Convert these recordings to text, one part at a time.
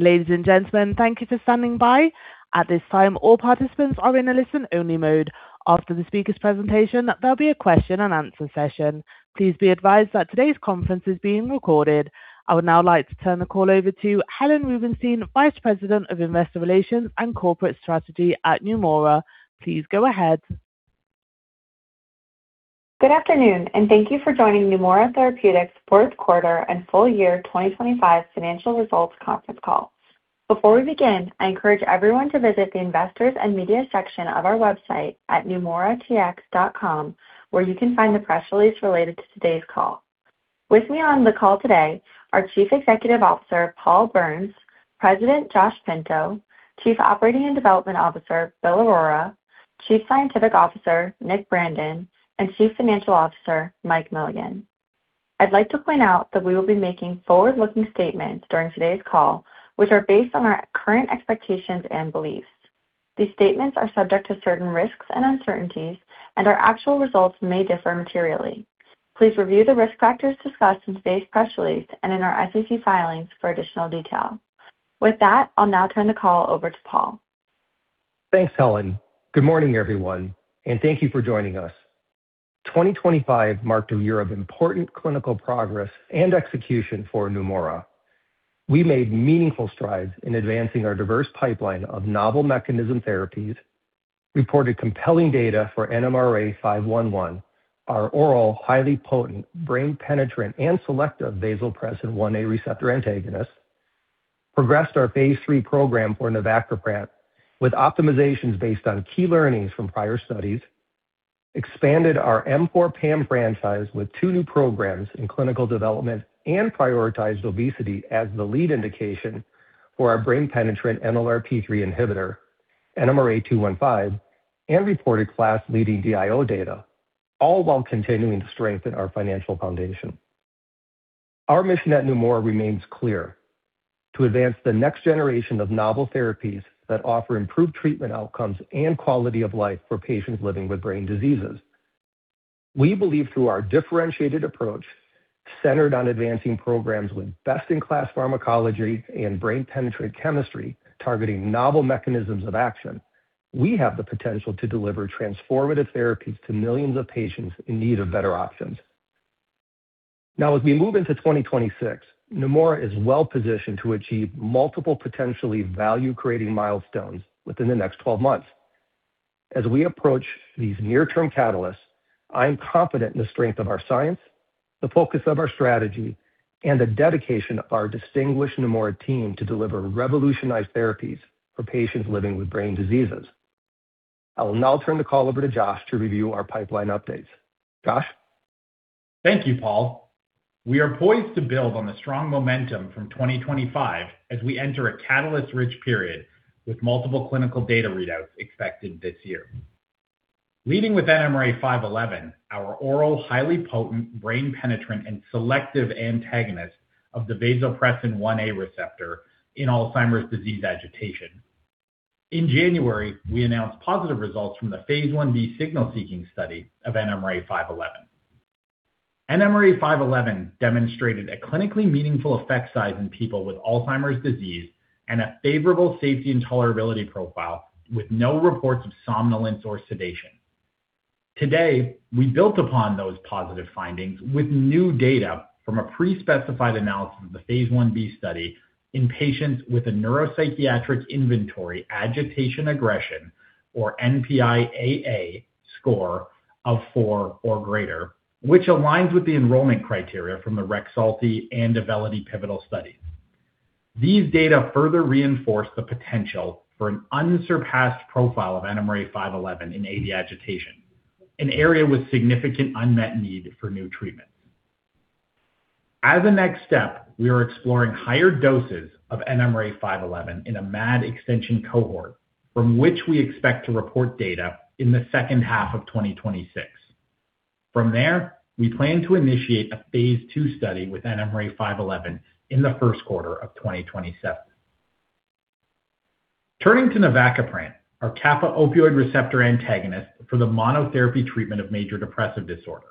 Ladies and gentlemen, thank you for standing by. At this time, all participants are in a listen-only mode. After the speaker's presentation, there'll be a question and answer session. Please be advised that today's conference is being recorded. I would now like to turn the call over to Helen Rubinstein, Vice President of Investor Relations and Corporate Strategy at Neumora. Please go ahead. Good afternoon, and thank you for joining Neumora Therapeutics' Fourth Quarter and Full Year 2025 Financial Results conference call. Before we begin, I encourage everyone to visit the Investors and Media section of our website at neumoratx.com, where you can find the press release related to today's call. With me on the call today are Chief Executive Officer Paul Berns, President Josh Pinto, Chief Operating and Development Officer Bill Aurora, Chief Scientific Officer Nick Brandon, and Chief Financial Officer Mike Milligan. I'd like to point out that we will be making forward-looking statements during today's call, which are based on our current expectations and beliefs. These statements are subject to certain risks and uncertainties, and our actual results may differ materially. Please review the risk factors discussed in today's press release and in our SEC filings for additional detail. With that, I'll now turn the call over to Paul. Thanks, Helen. Good morning, everyone, and thank you for joining us. 2025 marked a year of important clinical progress and execution for Neumora. We made meaningful strides in advancing our diverse pipeline of novel mechanism therapies, reported compelling data for NMRA-511, our oral, highly potent, brain-penetrant, and selective vasopressin 1A receptor antagonist, progressed our phase III program for Navacaprant with optimizations based on key learnings from prior studies, expanded our M4 PAM franchise with two new programs in clinical development, and prioritized obesity as the lead indication for our brain-penetrant NLRP3 inhibitor, NMRA-215, and reported Class-Leading DIO Data, all while continuing to strengthen our financial foundation. Our mission at Neumora remains clear, to advance the next generation of novel therapies that offer improved treatment outcomes and quality of life for patients living with brain diseases. We believe through our differentiated approach, centered on advancing programs with best-in-class pharmacology and brain-penetrant chemistry, targeting novel mechanisms of action, we have the potential to deliver transformative therapies to millions of patients in need of better options. Now, as we move into 2026, Neumora is well positioned to achieve multiple potentially value-creating milestones within the next 12 months. As we approach these near-term catalysts, I am confident in the strength of our science, the focus of our strategy, and the dedication of our distinguished Neumora team to deliver revolutionized therapies for patients living with brain diseases. I will now turn the call over to Josh to review our pipeline updates. Josh? Thank you, Paul. We are poised to build on the strong momentum from 2025 as we enter a catalyst-rich period with multiple clinical data readouts expected this year. Leading with NMRA-511, our oral, highly potent, brain-penetrant, and selective antagonist of the vasopressin 1A receptor in Alzheimer's disease agitation. In January, we announced positive results from the phase I-B signal-seeking study of NMRA-511. NMRA-511 demonstrated a clinically meaningful effect size in people with Alzheimer's disease and a favorable safety and tolerability profile, with no reports of somnolence or sedation. Today, we built upon those positive findings with new data from a pre-specified analysis of the phase I-B study in patients with a neuropsychiatric inventory, agitation, aggression, or NPI-AA score of four or greater, which aligns with the enrollment criteria from the Rexulti and Auvelity pivotal studies. These data further reinforce the potential for an unsurpassed profile of NMRA-511 in AD agitation, an area with significant unmet need for new treatments. As a next step, we are exploring higher doses of NMRA-511 in a MAD extension cohort from which we expect to report data in the second half of 2026. From there, we plan to initiate a phase II study with NMRA-511 in the first quarter of 2027. Turning to Navacaprant, our kappa-opioid receptor antagonist for the monotherapy treatment of major depressive disorder.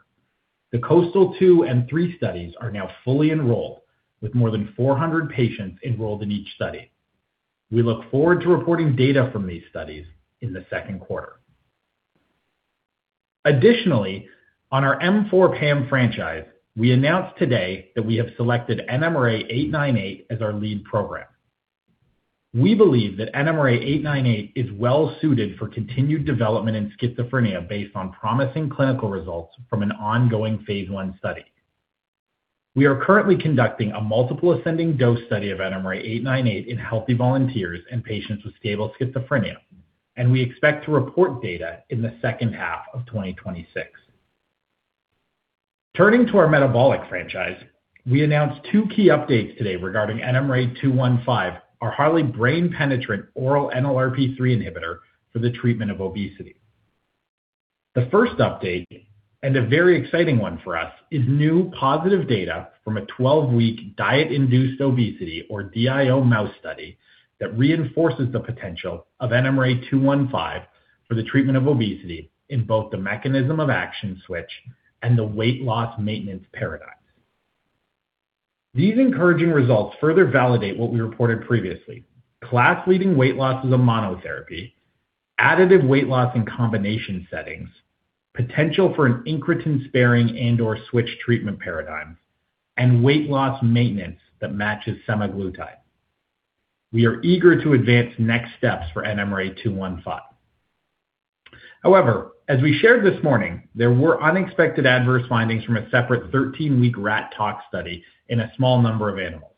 The KOASTAL-2 and KOASTAL-3 studies are now fully enrolled with more than 400 patients enrolled in each study. We look forward to reporting data from these studies in the second quarter. Additionally, on our M4 PAM franchise, we announced today that we have selected NMRA-898 as our lead program. We believe that NMRA-898 is well suited for continued development in schizophrenia based on promising clinical results from an ongoing phase I study. We are currently conducting a multiple ascending dose study of NMRA-898 in healthy volunteers and patients with stable schizophrenia, and we expect to report data in the second half of 2026. Turning to our metabolic franchise, we announced two key updates today regarding NMRA-215, our highly brain-penetrant oral NLRP3 inhibitor for the treatment of obesity. The first update, and a very exciting one for us, is new positive data from a 12-week diet-induced obesity or DIO mouse study that reinforces the potential of NMRA-215 for the treatment of obesity in both the mechanism of action switch and the weight loss maintenance paradigm. These encouraging results further validate what we reported previously. Class-leading weight loss as a monotherapy, additive weight loss in combination settings, potential for an incretin-sparing and/or switch treatment paradigm, and weight loss maintenance that matches semaglutide. We are eager to advance next steps for NMRA-215. However, as we shared this morning, there were unexpected adverse findings from a separate 13-week rat tox study in a small number of animals.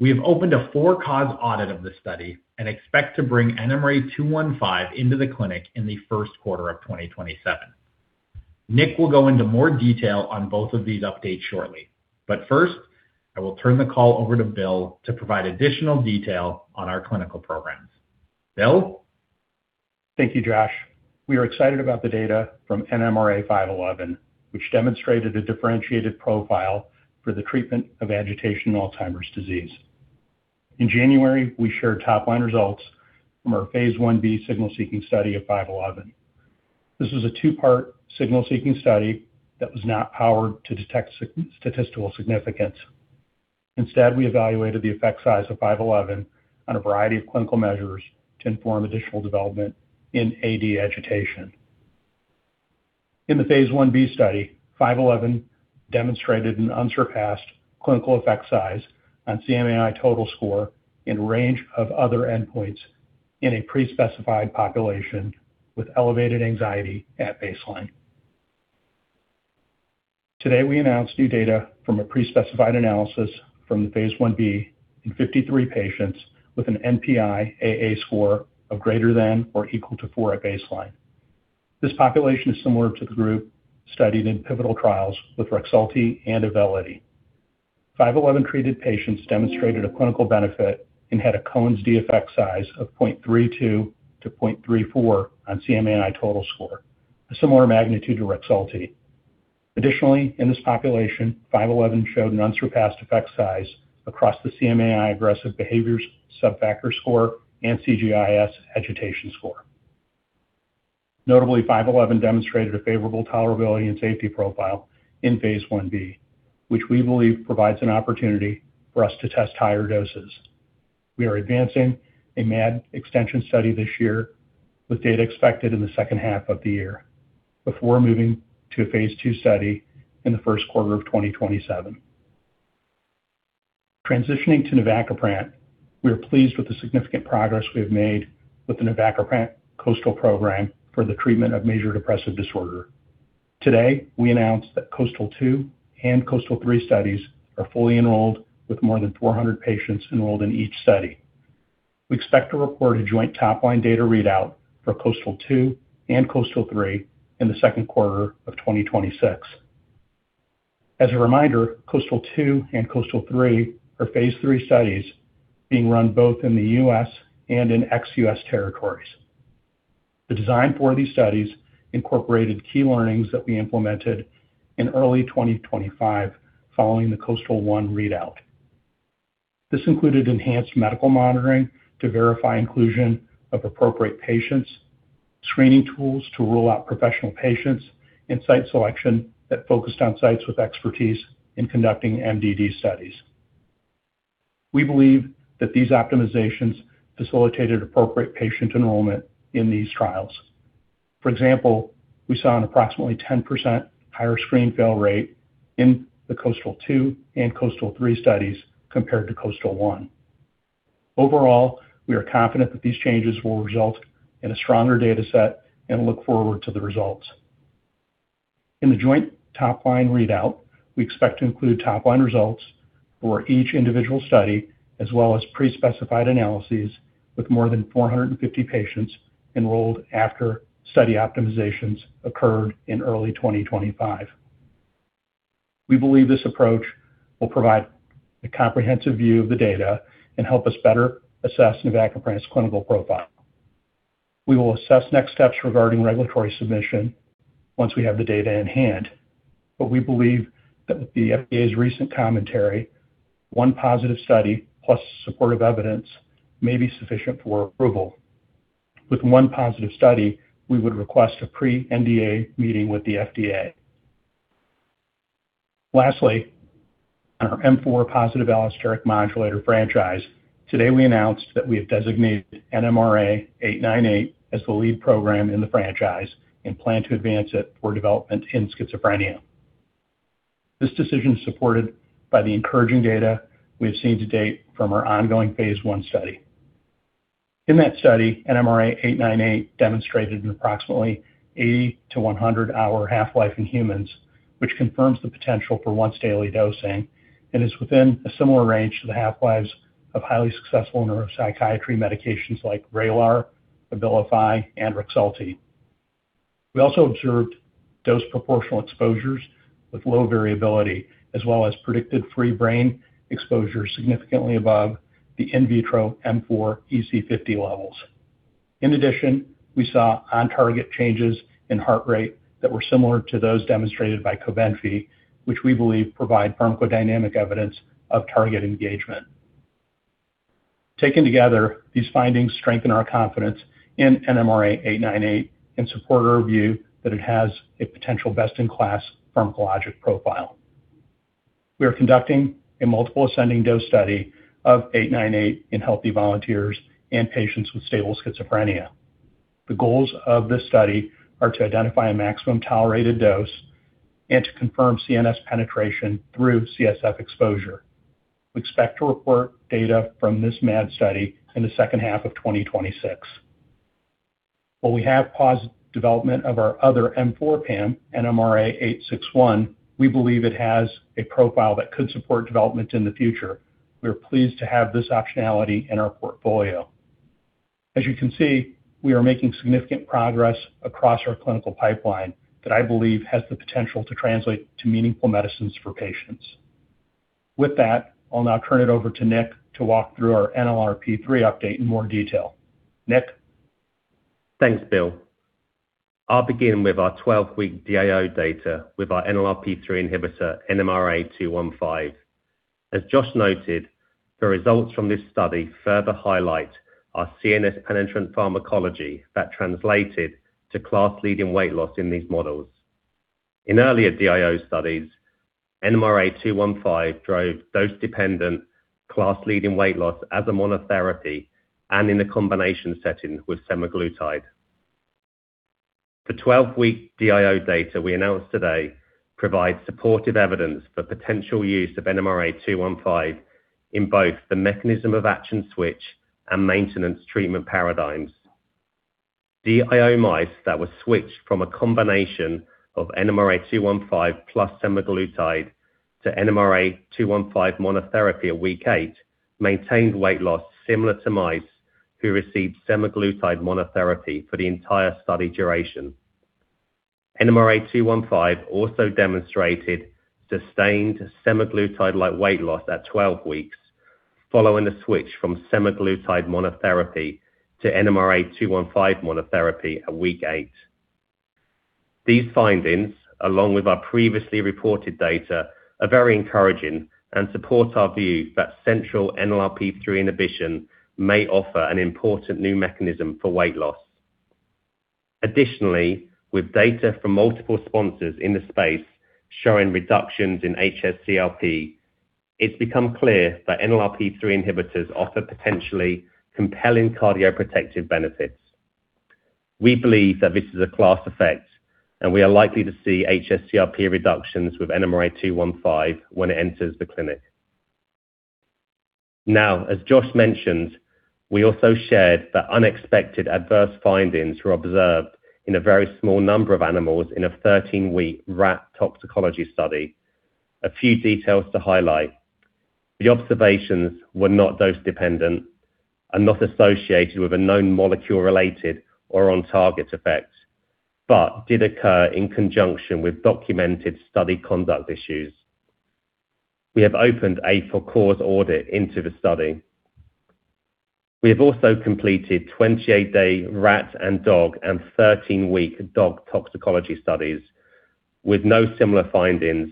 We have opened a for-cause audit of this study and expect to bring NMRA-215 into the clinic in the first quarter of 2027. Nick will go into more detail on both of these updates shortly. First, I will turn the call over to Bill to provide additional detail on our clinical programs. Bill? Thank you, Josh. We are excited about the data from NMRA-511, which demonstrated a differentiated profile for the treatment of agitation in Alzheimer's disease. In January, we shared top-line results from our phase I-B signal-seeking study of NMRA-511. This was a two-part signal-seeking study that was not powered to detect statistical significance. Instead, we evaluated the effect size of NMRA-511 on a variety of clinical measures to inform additional development in AD agitation. In the phase I-B study, NMRA-511 demonstrated an unsurpassed clinical effect size on CMAI total score and a range of other endpoints in a pre-specified population with elevated anxiety at baseline. Today, we announced new data from a pre-specified analysis from the phase I-B in 53 patients with an NPI-AA score of greater than or equal to four at baseline. This population is similar to the group studied in pivotal trials with Rexulti and Auvelity. 511 treated patients demonstrated a clinical benefit and had a Cohen's d effect size of 0.32-0.34 on CMAI total score, a similar magnitude to Rexulti. Additionally, in this population, 511 showed an unsurpassed effect size across the CMAI Aggressive Behaviors subfactor score and CGI-S agitation score. Notably, 511 demonstrated a favorable tolerability and safety profile in phase Ib, which we believe provides an opportunity for us to test higher doses. We are advancing a MAD extension study this year, with data expected in the second half of the year, before moving to a phase II study in the first quarter of 2027. Transitioning to Navacaprant, we are pleased with the significant progress we have made with the Navacaprant KOASTAL program for the treatment of major depressive disorder. Today, we announced that KOASTAL-2 and KOASTAL-3 studies are fully enrolled with more than 400 patients enrolled in each study. We expect to report a joint top-line data readout for KOASTAL-2 and KOASTAL-3 in the second quarter of 2026. As a reminder, KOASTAL-2 and KOASTAL-3 are phase III studies being run both in the U.S. and in ex-U.S. territories. The design for these studies incorporated key learnings that we implemented in early 2025 following the KOASTAL-1 readout. This included enhanced medical monitoring to verify inclusion of appropriate patients, screening tools to rule out professional patients, and site selection that focused on sites with expertise in conducting MDD studies. We believe that these optimizations facilitated appropriate patient enrollment in these trials. For example, we saw an approximately 10% higher screen fail rate in the KOASTAL-2 and KOASTAL-3 studies compared to KOASTAL-1. Overall, we are confident that these changes will result in a stronger dataset and look forward to the results. In the joint top-line readout, we expect to include top-line results for each individual study, as well as pre-specified analyses with more than 450 patients enrolled after study optimizations occurred in early 2025. We believe this approach will provide a comprehensive view of the data and help us better assess Navacaprant's clinical profile. We will assess next steps regarding regulatory submission once we have the data in hand, but we believe that with the FDA's recent commentary, one positive study plus supportive evidence may be sufficient for approval. With one positive study, we would request a pre-NDA meeting with the FDA. Lastly, on our M4 positive allosteric modulator franchise, today we announced that we have designated NMRA-898 as the lead program in the franchise and plan to advance it for development in schizophrenia. This decision is supported by the encouraging data we have seen to date from our ongoing phase I study. In that study, NMRA-898 demonstrated an approximately 80-100-hour half-life in humans, which confirms the potential for once-daily dosing, and is within a similar range to the half-lives of highly successful neuropsychiatry medications like Vraylar, Abilify, and Rexulti. We also observed dose proportional exposures with low variability, as well as predicted free brain exposure significantly above the in Vitro M4 EC50 levels. In addition, we saw on-target changes in heart rate that were similar to those demonstrated by Cobenfy, which we believe provide pharmacodynamic evidence of target engagement. Taken together, these findings strengthen our confidence in NMRA-898 and support our view that it has a potential best-in-class pharmacologic profile. We are conducting a multiple ascending dose study of 898 in healthy volunteers and patients with stable schizophrenia. The goals of this study are to identify a maximum tolerated dose and to confirm CNS penetration through CSF exposure. We expect to report data from this MAD study in the second half of 2026. While we have paused development of our other M4 PAM, NMRA-861, we believe it has a profile that could support development in the future. We are pleased to have this optionality in our portfolio. As you can see, we are making significant progress across our clinical pipeline that I believe has the potential to translate to meaningful medicines for patients. With that, I'll now turn it over to Nick to walk through our NLRP3 update in more detail. Nick? Thanks, Bill. I'll begin with our 12-week DIO data with our NLRP3 inhibitor, NMRA-215. As Josh noted, the results from this study further highlight our CNS penetrant pharmacology that translated to class-leading weight loss in these models. In earlier DIO studies, NMRA-215 drove dose-dependent class-leading weight loss as a monotherapy and in a combination setting with semaglutide. The 12-week DIO data we announced today provides supportive evidence for potential use of NMRA-215 in both the mechanism of action switch and maintenance treatment paradigms. DIO mice that were switched from a combination of NMRA-215 plus semaglutide to NMRA-215 monotherapy at week eight maintained weight loss similar to mice who received semaglutide monotherapy for the entire study duration. NMRA-215 also demonstrated sustained semaglutide-like weight loss at 12 weeks following the switch from semaglutide monotherapy to NMRA-215 monotherapy at week eight. These findings, along with our previously reported data, are very encouraging and support our view that central NLRP3 inhibition may offer an important new mechanism for weight loss. Additionally, with data from multiple sponsors in the space showing reductions in hs-CRP, it's become clear that NLRP3 inhibitors offer potentially compelling cardioprotective benefits. We believe that this is a class effect, and we are likely to see hs-CRP reductions with NMRA-215 when it enters the clinic. Now, as Josh mentioned, we also shared that unexpected adverse findings were observed in a very small number of animals in a 13-week rat toxicology study. A few details to highlight. The observations were not dose-dependent and not associated with a known molecule-related or on-target effect, but did occur in conjunction with documented study conduct issues. We have opened a for-cause audit into the study. We have also completed 28-day rat and dog and 13-week dog toxicology studies with no similar findings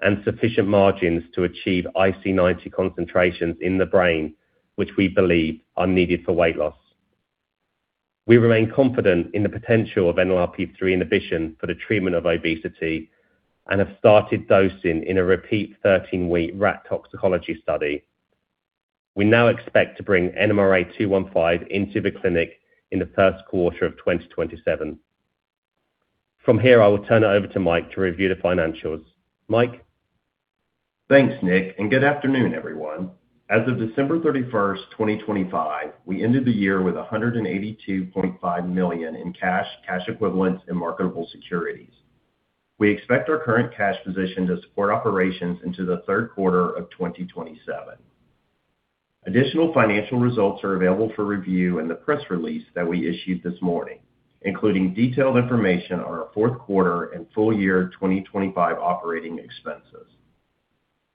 and sufficient margins to achieve IC90 concentrations in the brain, which we believe are needed for weight loss. We remain confident in the potential of NLRP3 inhibition for the treatment of obesity and have started dosing in a repeat 13-week rat toxicology study. We now expect to bring NMRA-215 into the clinic in the first quarter of 2027. From here, I will turn it over to Mike to review the financials. Mike? Thanks, Nick, and good afternoon, everyone. As of December 31st, 2025, we ended the year with $182.5 million in cash equivalents, and marketable securities. We expect our current cash position to support operations into the third quarter of 2027. Additional financial results are available for review in the press release that we issued this morning, including detailed information on our fourth quarter and full year 2025 operating expenses.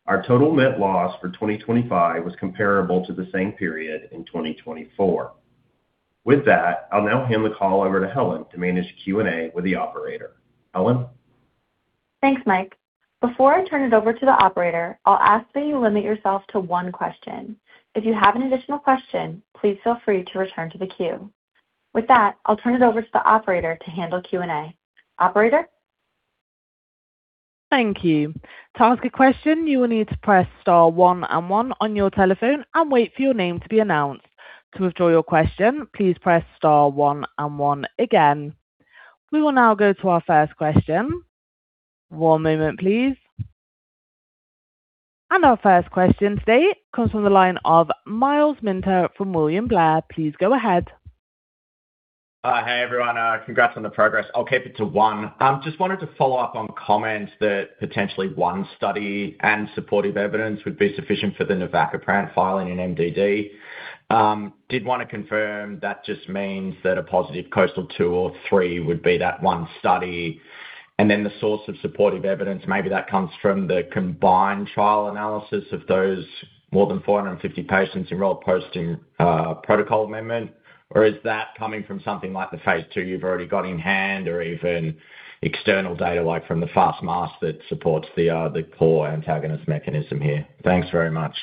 Our total net loss for 2025 was comparable to the same period in 2024. With that, I'll now hand the call over to Helen to manage the Q&A with the operator. Helen? Thanks, Mike. Before I turn it over to the operator, I'll ask that you limit yourself to one question. If you have an additional question, please feel free to return to the queue. With that, I'll turn it over to the operator to handle Q&A. Operator? Thank you. To ask a question, you will need to press star one and one on your telephone and wait for your name to be announced. To withdraw your question, please press star one and one again. We will now go to our first question. One moment, please. Our first question today comes from the line of Myles Minter from William Blair. Please go ahead. Hey everyone. Congrats on the progress. I'll keep it to one. Just wanted to follow up on comments that potentially one study and supportive evidence would be sufficient for the Navacaprant filing in MDD. Did wanna confirm that just means that a positive KOASTAL-2 or KOASTAL-3 would be that one study, and then the source of supportive evidence, maybe that comes from the combined trial analysis of those more than 450 patients enrolled post-protocol amendment? Is that coming from something like the phase II you've already got in hand or even external data like from the FAST-MAS that supports the kappa antagonist mechanism here? Thanks very much.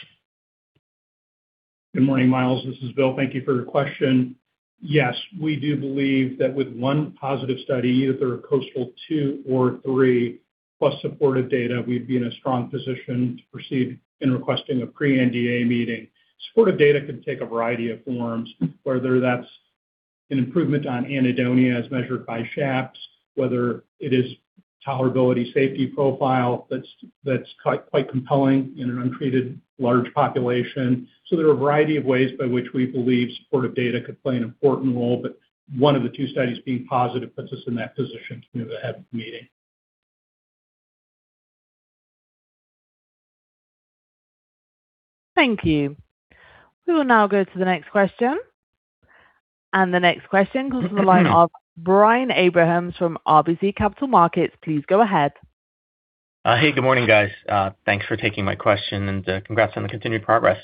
Good morning, Myles. This is Bill. Thank you for your question. Yes, we do believe that with one positive study, either KOASTAL-2 or KOASTAL-3 plus supportive data, we'd be in a strong position to proceed in requesting a pre-NDA meeting. Supportive data can take a variety of forms, whether that's an improvement on anhedonia as measured by SHAPS, whether it is tolerability safety profile that's quite compelling in an untreated large population. There are a variety of ways by which we believe supportive data could play an important role, but one of the two studies being positive puts us in that position to have a meeting. Thank you. We will now go to the next question. The next question comes from the line of Brian Abrahams from RBC Capital Markets. Please go ahead. Hey, good morning, guys. Thanks for taking my question and, congrats on the continued progress.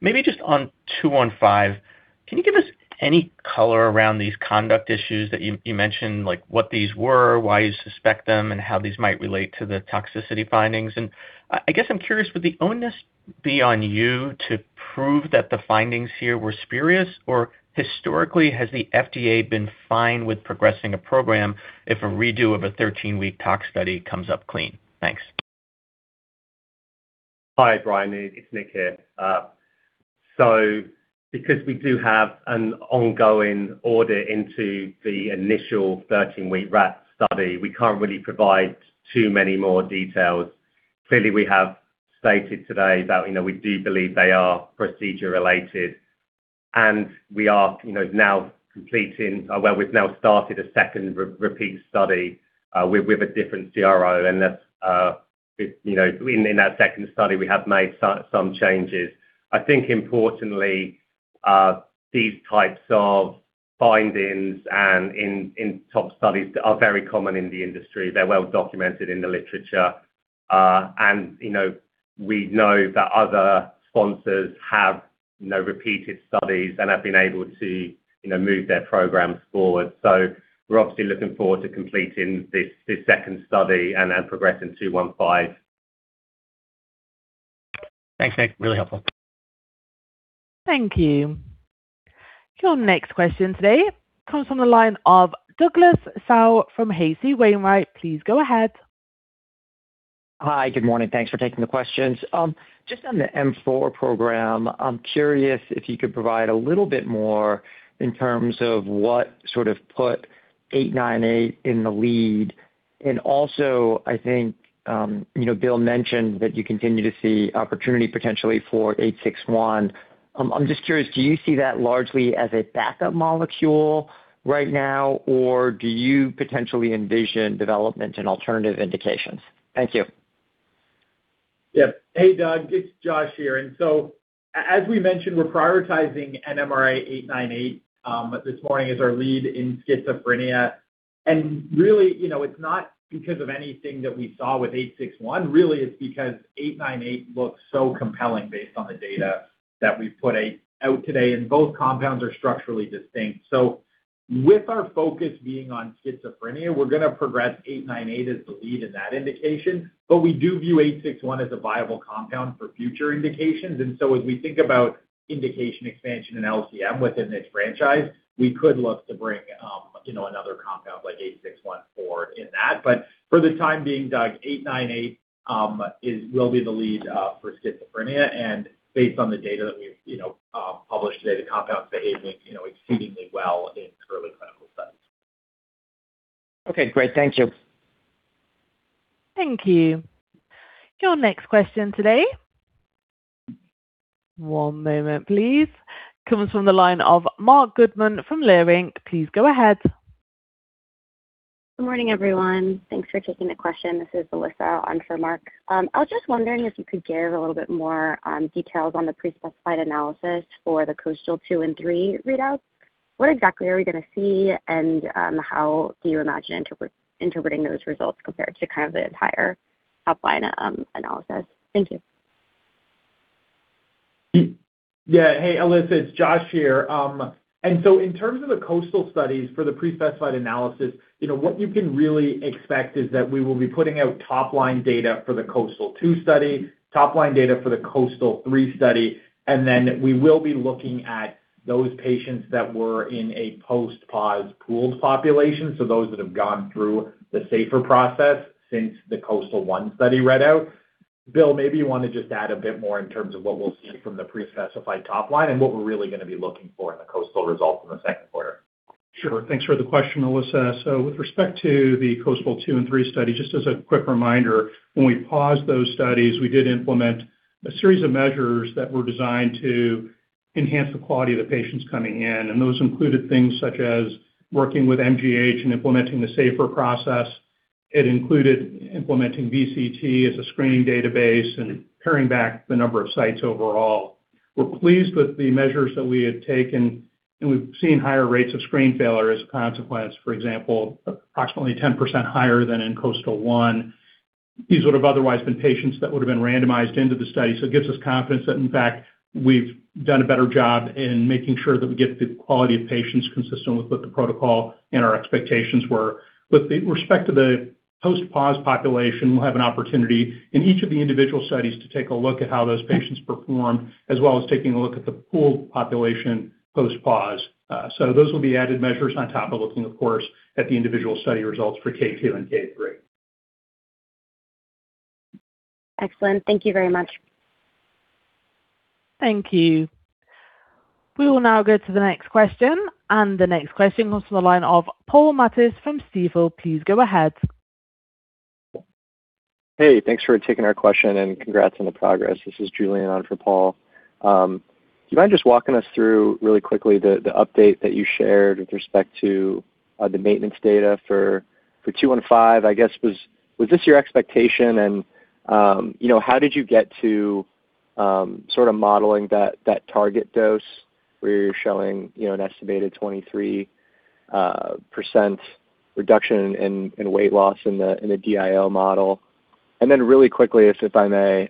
Maybe just on 215, can you give us any color around these conduct issues that you mentioned, like what these were, why you suspect them, and how these might relate to the toxicity findings? I guess I'm curious, would the onus be on you to prove that the findings here were spurious or historically has the FDA been fine with progressing a program if a redo of a 13-week tox study comes up clean? Thanks. Hi, Brian. It's Nick here. Because we do have an ongoing audit into the initial 13-week tox study, we can't really provide too many more details. Clearly, we have stated today that, you know, we do believe they are procedure related. We've now started a second repeat study with a different CRO and that's, you know, in that second study, we have made some changes. I think importantly, these types of findings in tox studies are very common in the industry. They're well documented in the literature. We know that other sponsors have, you know, repeated studies and have been able to, you know, move their programs forward. We're obviously looking forward to completing this second study and `progressing 215. Thanks, Nick. Really helpful. Thank you. Your next question today comes from the line of Douglas Tsao from H.C. Wainwright. Please go ahead. Hi. Good morning. Thanks for taking the questions. Just on the M4 program, I'm curious if you could provide a little bit more in terms of what sort of put NMRA-898 in the lead. Also, I think, you know, Bill mentioned that you continue to see opportunity potentially for NMRA-861. I'm just curious, do you see that largely as a backup molecule right now, or do you potentially envision development in alternative indications? Thank you. Yeah. Hey, Doug, it's Josh here. As we mentioned, we're prioritizing NMRA-898 this morning as our lead in schizophrenia. Really, you know, it's not because of anything that we saw with 861. It's because 898 looks so compelling based on the data that we've put out today, and both compounds are structurally distinct. With our focus being on schizophrenia, we're gonna progress 898 as the lead in that indication. We do view 861 as a viable compound for future indications. As we think about indication expansion in LCM within this franchise, we could look to bring another compound like 861 forward in that. For the time being, Doug, 898 is-- will be the lead for schizophrenia. Based on the data that we've you know published today, the compound's behaving you know exceedingly well in early clinical studies. Okay, great. Thank you. Thank you. Your next question today, one moment, please, comes from the line of Marc Goodman from Leerink. Please go ahead. Good morning, everyone. Thanks for taking the question. This is Alyssa. I'm for Marc. I was just wondering if you could give a little bit more details on the pre-specified analysis for the KOASTAL-2 and KOASTAL-3 readouts. What exactly are we gonna see? And, how do you imagine interpreting those results compared to kind of the entire top line analysis? Thank you. Yeah. Hey, Alyssa, it's Josh here. In terms of the KOASTAL studies for the pre-specified analysis, you know, what you can really expect is that we will be putting out top line data for the KOASTAL-2 study, top line data for the KOASTAL-3 study, and then we will be looking at those patients that were in a post-pause pooled population, so those that have gone through the SAFER process since the KOASTAL-1 study read out. Bill, maybe you want to just add a bit more in terms of what we'll see from the pre-specified top line and what we're really going to be looking for in the KOASTAL results in the second quarter. Sure. Thanks for the question, Alyssa. With respect to the KOASTAL-2 and KOASTAL-3 study, just as a quick reminder, when we paused those studies, we did implement a series of measures that were designed to enhance the quality of the patients coming in, and those included things such as working with MGH and implementing the SAFER process. It included implementing BCT as a screening database and paring back the number of sites overall. We're pleased with the measures that we had taken, and we've seen higher rates of screen failure as a consequence, for example, approximately 10% higher than in KOASTAL-1. These would have otherwise been patients that would have been randomized into the study. It gives us confidence that in fact, we've done a better job in making sure that we get the quality of patients consistent with what the protocol and our expectations were. With respect to the post-pause population, we'll have an opportunity in each of the individual studies to take a look at how those patients perform, as well as taking a look at the pooled population post-pause. Those will be added measures on top of looking, of course, at the individual study results for K2 and K3. Excellent. Thank you very much. Thank you. We will now go to the next question, and the next question comes from the line of Paul Matteis from Stifel. Please go ahead. Hey, thanks for taking our question and congrats on the progress. This is Julian on for Paul. Do you mind just walking us through really quickly the update that you shared with respect to the maintenance data for NMRA-215? I guess was this your expectation and you know how did you get to sort of modeling that target dose where you're showing you know an estimated 23% reduction in weight loss in the DIO model? Then really quickly, if I may,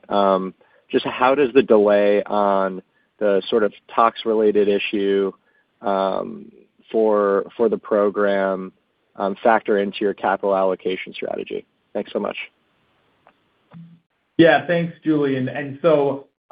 just how does the delay on the sort of tox-related issue for the program factor into your capital allocation strategy? Thanks so much. Yeah. Thanks, Julian.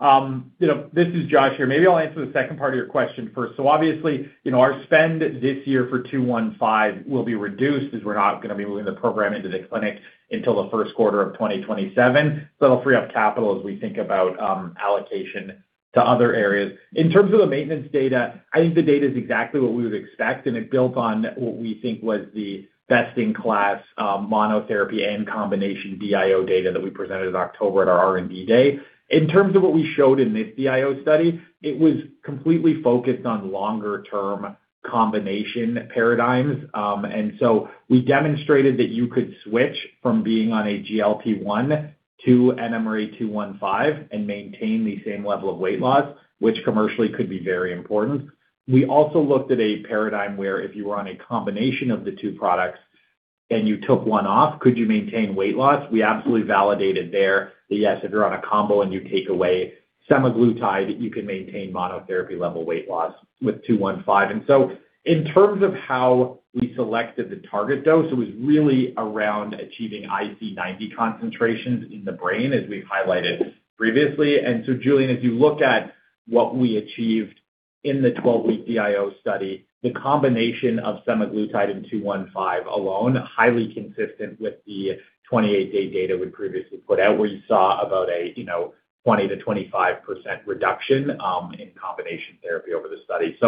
You know, this is Josh here. Maybe I'll answer the second part of your question first. Obviously, you know, our spend this year for 215 will be reduced as we're not gonna be moving the program into the clinic until the first quarter of 2027. It'll free up capital as we think about allocation to other areas. In terms of the maintenance data, I think the data is exactly what we would expect, and it built on what we think was the best-in-class monotherapy and combination DIO data that we presented in October at our R&D Day. In terms of what we showed in this DIO study, it was completely focused on longer-term combination paradigms. We demonstrated that you could switch from being on a GLP-1 to NMRA-215 and maintain the same level of weight loss, which commercially could be very important. We also looked at a paradigm where if you were on a combination of the two products and you took one off, could you maintain weight loss? We absolutely validated there that yes, if you're on a combo and you take away semaglutide, you can maintain monotherapy level weight loss with 215. In terms of how we selected the target dose, it was really around achieving IC90 concentrations in the brain, as we've highlighted previously. Julian, as you look at what we achieved in the 12-week DIO study, the combination of semaglutide and 215 alone, highly consistent with the 28-day data we previously put out, where you saw about a, you know, 20%-25% reduction in combination therapy over the study.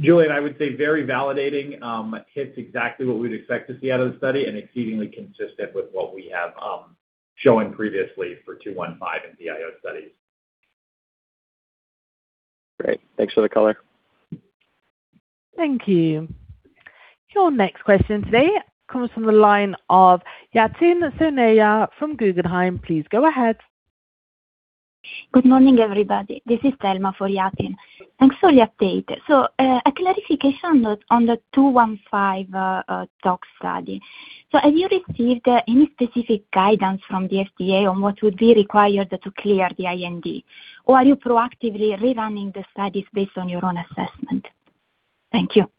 Julian, I would say very validating, hits exactly what we'd expect to see out of the study and exceedingly consistent with what we have shown previously for 215 in DIO studies. Great. Thanks for the color. Thank you. Your next question today comes from the line of Yatin Suneja from Guggenheim. Please go ahead. Good morning, everybody. This is Thelma for Yatin. Thanks for the update. A clarification on the 215 tox study. Have you received any specific guidance from the FDA on what would be required to clear the IND? Or are you proactively rerunning the studies based on your own assessment? Thank you.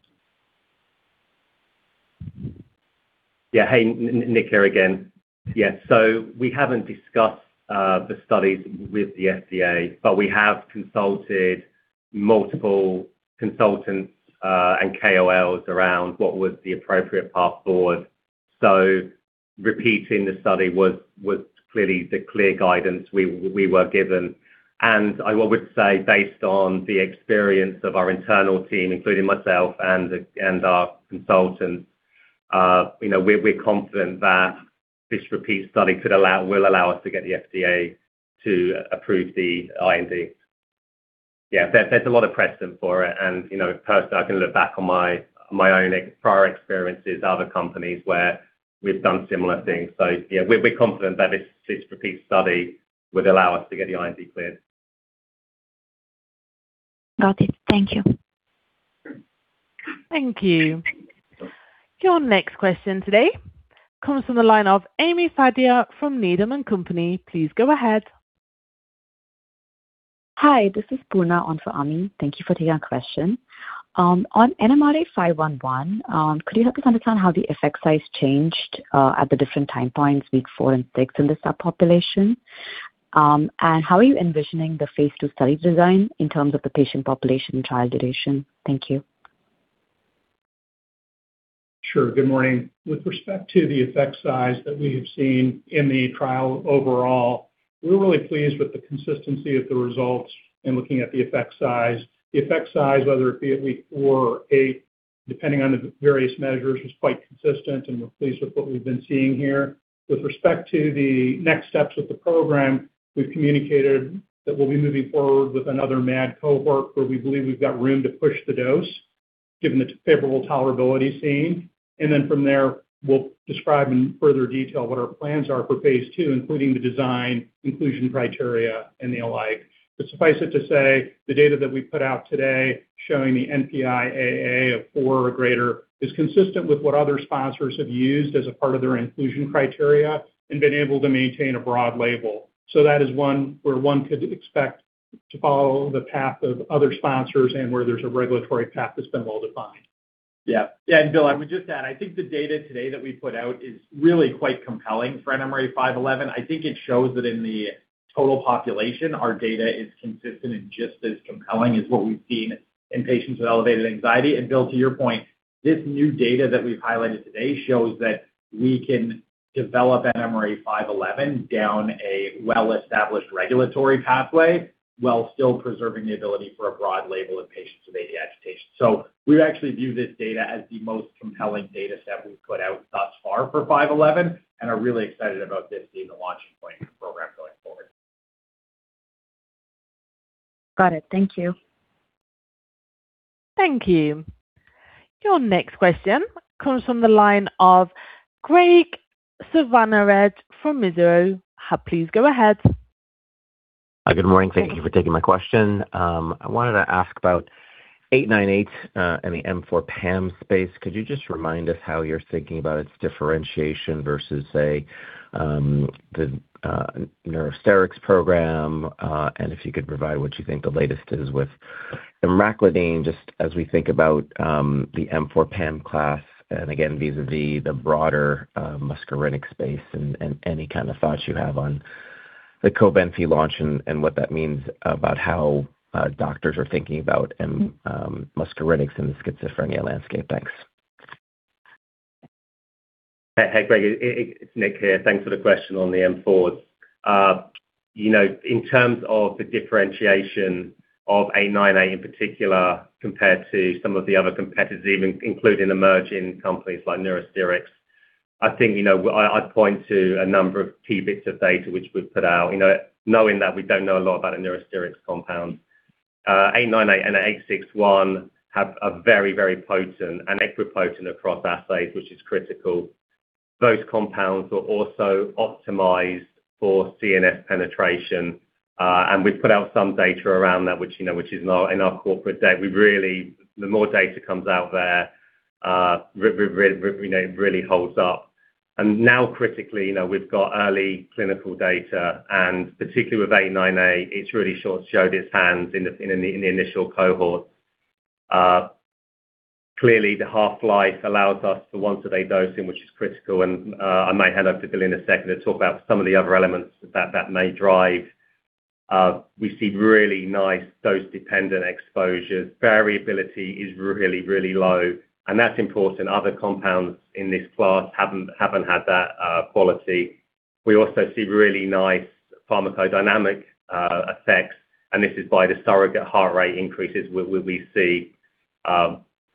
Yeah. Hey, Nick here again. Yes. We haven't discussed the studies with the FDA, but we have consulted multiple consultants and KOLs around what was the appropriate path forward. Repeating the study was clearly the clear guidance we were given. I would say based on the experience of our internal team, including myself and our consultants, you know, we're confident that this repeat study will allow us to get the FDA to approve the IND. Yeah. There's a lot of precedent for it. You know, personally, I can look back on my own prior experiences, other companies where we've done similar things. Yeah, we're confident that this repeat study would allow us to get the IND cleared. Got it. Thank you. Thank you. Your next question today comes from the line of Ami Fadia from Needham & Company. Please go ahead. Hi, this is Poorna on for Ami. Thank you for taking our question. On NMRA-511, could you help us understand how the effect size changed at the different time points, week four and six, in the subpopulation? How are you envisioning the phase II study design in terms of the patient population, trial duration? Thank you. Sure. Good morning. With respect to the effect size that we have seen in the trial overall, we're really pleased with the consistency of the results in looking at the effect size. The effect size, whether it be at week four or eight, depending on the various measures, is quite consistent, and we're pleased with what we've been seeing here. With respect to the next steps with the program, we've communicated that we'll be moving forward with another MAD cohort where we believe we've got room to push the dose given the favorable tolerability seen. Then from there, we'll describe in further detail what our plans are for phase II, including the design, inclusion criteria and the like. Suffice it to say, the data that we put out today showing the NPIAA of four or greater is consistent with what other sponsors have used as a part of their inclusion criteria and been able to maintain a broad label. That is one where one could expect To follow the path of other sponsors and where there's a regulatory path that's been well-defined. Yeah. Yeah, Bill, I would just add, I think the data today that we put out is really quite compelling for NMRA-511. I think it shows that in the total population, our data is consistent and just as compelling as what we've seen in patients with elevated anxiety. Bill, to your point, this new data that we've highlighted today shows that we can develop NMRA-511 down a well-established regulatory pathway while still preserving the ability for a broad label in patients with AD agitation. We actually view this data as the most compelling data set we've put out thus far for 511 and are really excited about this being the launching point of the program going forward. Got it. Thank you. Thank you. Your next question comes from the line of Graig Suvannavejh from Mizuho. Please go ahead. Good morning. Thank you for taking my question. I wanted to ask about NMRA-898 and the M4 PAM space. Could you just remind us how you're thinking about its differentiation versus, say, the Neurocrine program? If you could provide what you think the latest is with the Emraclidine, just as we think about the M4 PAM class, and again, vis-a-vis the broader muscarinic space and any kind of thoughts you have on the Cobenfy launch and what that means about how doctors are thinking about muscarinic in the schizophrenia landscape. Thanks. Hey, Graig, it's Nick here. Thanks for the question on the M4. You know, in terms of the differentiation of 898 in particular compared to some of the other competitors, even including emerging companies like Neurocrine, I think, you know, I'd point to a number of key bits of data which we've put out. You know, knowing that we don't know a lot about a Neurocrine compound. 898 and 861 have a very, very potent and equipotent across assays, which is critical. Those compounds were also optimized for CNS penetration. We've put out some data around that which, you know, which is in our R&D Day. The more data comes out there, you know, really holds up. Now critically, you know, we've got early clinical data and particularly with 898, it's really sort of showed its hands in the initial cohort. Clearly the half-life allows us for once-a-day dosing, which is critical. I might hand over to Bill in a second to talk about some of the other elements that may drive. We see really nice dose-dependent exposures. Variability is really low, and that's important. Other compounds in this class haven't had that quality. We also see really nice pharmacodynamic effects, and this is by the surrogate heart rate increases we see.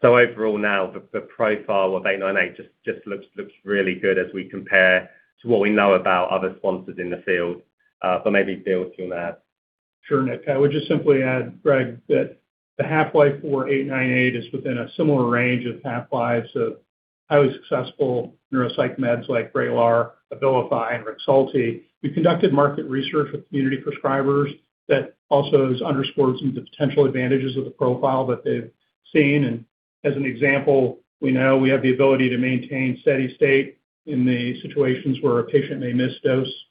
Overall now the profile of 898 just looks really good as we compare to what we know about other sponsors in the field. Maybe Bill to that. Sure, Nick. I would just simply add, Graig, that the half-life for 898 is within a similar range of half-lives of highly successful neuropsych meds like Vraylar, Abilify, and Rexulti. We conducted market research with community prescribers that also has underscored some of the potential advantages of the profile that they've seen. As an example, we know we have the ability to maintain steady state in the situations where a patient may miss a dose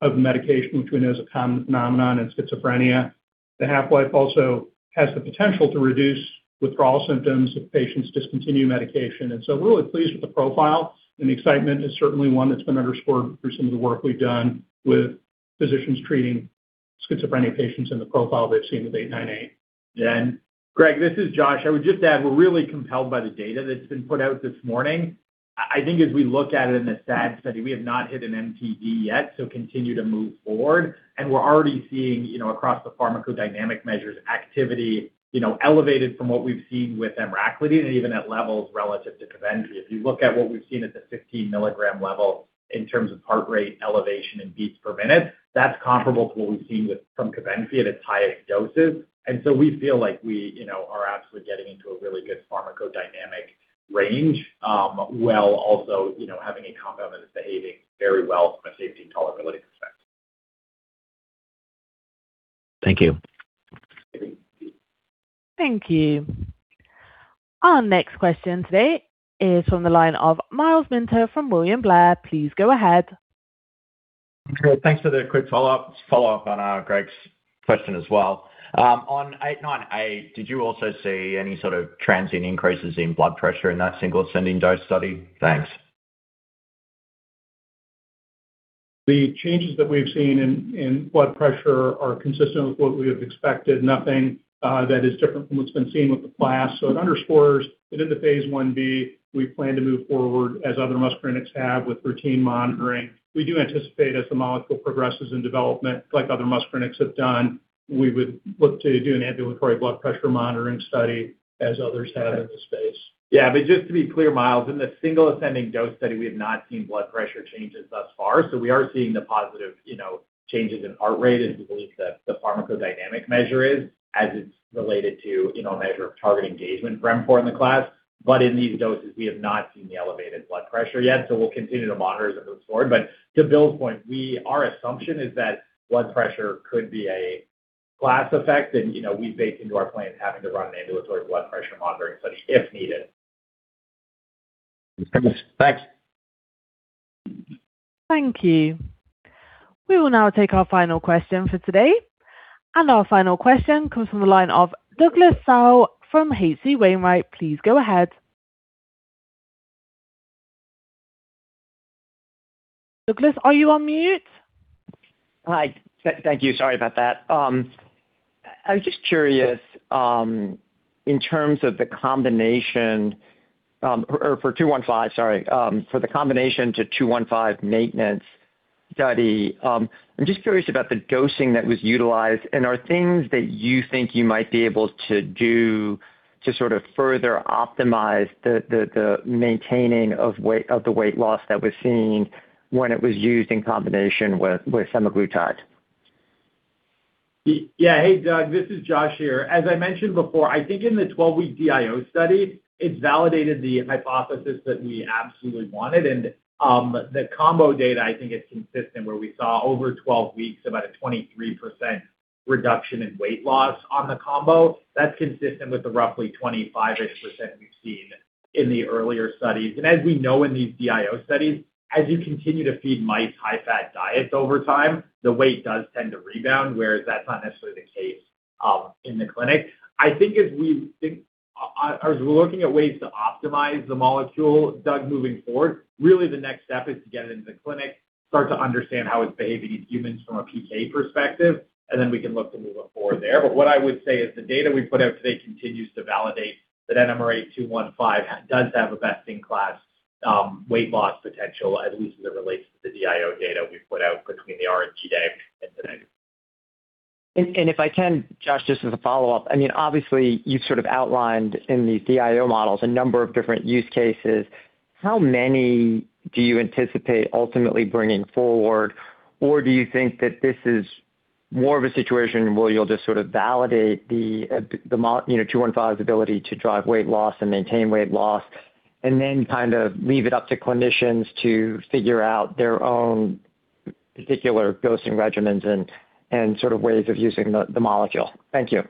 of the medication, which we know is a common phenomenon in schizophrenia. The half-life also has the potential to reduce withdrawal symptoms if patients discontinue medication. We're really pleased with the profile, and the excitement is certainly one that's been underscored through some of the work we've done with physicians treating schizophrenia patients in the profile they've seen with 898. Graig, this is Joshua. I would just add, we're really compelled by the data that's been put out this morning. I think as we look at it in the SAD study, we have not hit an MTD yet, so continue to move forward. We're already seeing, you know, across the pharmacodynamic measures activity, you know, elevated from what we've seen with Emraclidine and even at levels relative to Cobenfy. If you look at what we've seen at the 15-milligram level in terms of heart rate, elevation, and beats per minute, that's comparable to what we've seen from Cobenfy at its highest doses. We feel like we, you know, are absolutely getting into a really good pharmacodynamic range, while also, you know, having a compound that is behaving very well from a safety and tolerability perspective. Thank you. Thank you. Our next question today is from the line of Myles Minter from William Blair. Please go ahead. Great. Thanks for the quick follow-up. Follow-up on Graig question as well. On 898, did you also see any sort of transient increases in blood pressure in that single ascending dose study? Thanks. The changes that we've seen in blood pressure are consistent with what we have expected. Nothing that is different from what's been seen with the class. It underscores that in the phase I-B, we plan to move forward as other muscarinics have with routine monitoring. We do anticipate as the molecule progresses in development, like other muscarinics have done, we would look to do an ambulatory blood pressure monitoring study as others have in the space. Yeah. Just to be clear, Myles, in the single ascending dose study, we have not seen blood pressure changes thus far. We are seeing the positive, you know, changes in heart rate, as we believe the pharmacodynamic measure is as it's related to, you know, a measure of target engagement for M4 in the class. In these doses, we have not seen the elevated blood pressure yet, so we'll continue to monitor as it moves forward. To Bill's point, our assumption is that blood pressure could be a class effect. You know, we bake into our plans having to run an ambulatory blood pressure monitoring study if needed. Thanks. Thank you. We will now take our final question for today, and our final question comes from the line of Douglas Tsao from H.C. Wainwright. Please go ahead. Douglas, are you on mute? Hi. Thank you. Sorry about that. I was just curious, in terms of the combination, or for NMRA-215, sorry. For the combination to NMRA-215 maintenance study. I'm just curious about the dosing that was utilized and are things that you think you might be able to do to sort of further optimize the maintaining of the weight loss that was seen when it was used in combination with semaglutide. Yeah. Hey, Doug, this is Josh here. As I mentioned before, I think in the 12-week DIO study, it validated the hypothesis that we absolutely wanted. The combo data, I think is consistent, where we saw over 12 weeks about a 23% reduction in weight loss on the combo. That's consistent with the roughly 25%-ish we've seen in the earlier studies. As we know in these DIO studies, as you continue to feed mice high-fat diets over time, the weight does tend to rebound, whereas that's not necessarily the case in the clinic. I think as we're looking at ways to optimize the molecule, Doug, moving forward, really the next step is to get it into the clinic, start to understand how it's behaving in humans from a PK perspective, and then we can look to move it forward there. What I would say is the data we put out today continues to validate that NMRA-215 does have a best-in-class weight loss potential, at least as it relates to the DIO data we've put out between the R&D Day and today. If I can, Josh, just as a follow-up. I mean, obviously you've sort of outlined in these DIO models a number of different use cases. How many do you anticipate ultimately bringing forward? Or do you think that this is more of a situation where you'll just sort of validate the you know, 215's ability to drive weight loss and maintain weight loss, and then kind of leave it up to clinicians to figure out their own particular dosing regimens and sort of ways of using the molecule. Thank you.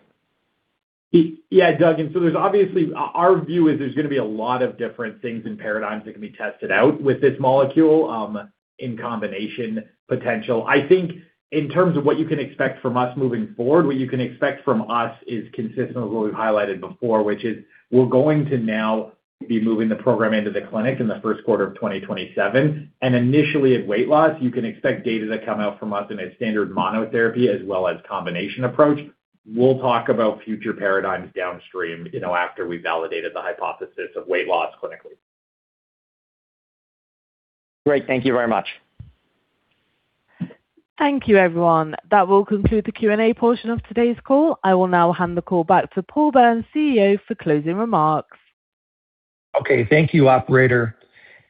Yeah, Doug. Our view is there's gonna be a lot of different things and paradigms that can be tested out with this molecule in combination potential. I think in terms of what you can expect from us moving forward, what you can expect from us is consistent with what we've highlighted before, which is we're going to now be moving the program into the clinic in the first quarter of 2027. Initially at weight loss, you can expect data to come out from us in a standard monotherapy as well as combination approach. We'll talk about future paradigms downstream, you know, after we validated the hypothesis of weight loss clinically. Great. Thank you very much. Thank you, everyone. That will conclude the Q&A portion of today's call. I will now hand the call back to Paul Berns, CEO, for closing remarks. Okay, thank you, operator,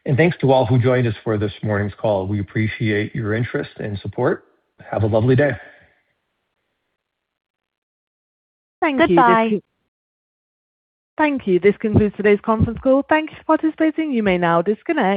and thanks to all who joined us for this morning's call. We appreciate your interest and support. Have a lovely day. Thank you. Goodbye. Thank you. This concludes today's conference call. Thank you for participating. You may now disconnect.